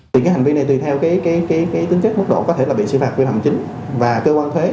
thì cái hành vi này tùy theo cái tính chất mức độ có thể là bị xử phạt quyền hợp chính và cơ quan thuế